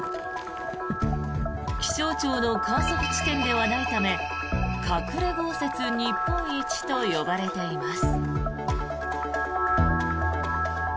気象庁の観測地点ではないため隠れ豪雪日本一と呼ばれています。